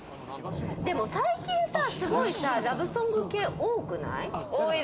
でも最近さ、すごいラブソング系多くない？